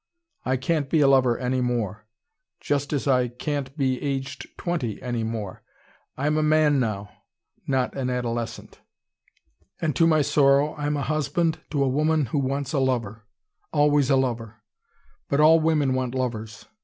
I can't be a lover any more, just as I can't be aged twenty any more. I am a man now, not an adolescent. And to my sorrow I am a husband to a woman who wants a lover: always a lover. But all women want lovers.